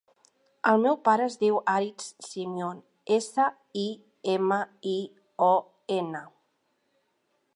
El meu pare es diu Aritz Simion: essa, i, ema, i, o, ena.